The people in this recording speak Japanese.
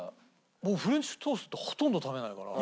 僕フレンチトーストってほとんど食べないから。